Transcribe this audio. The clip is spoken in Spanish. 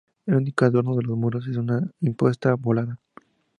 El único adorno de los muros es una imposta volada.